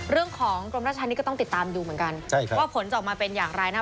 เรื่องของกรมราชธรรมนี้ก็ต้องติดตามอยู่เหมือนกันว่าผลจะออกมาเป็นอย่างไรนะ